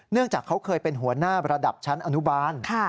จากเขาเคยเป็นหัวหน้าระดับชั้นอนุบาล